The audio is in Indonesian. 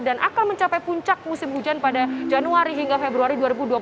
dan akan mencapai puncak musim hujan pada januari hingga februari dua ribu dua puluh dua